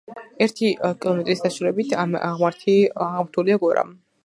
ერთი კილომეტრის დაშორებით აღმართულია გორა